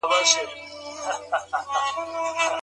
د واکسین کیفیت چک کولو لپاره څه سته؟